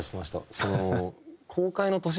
その。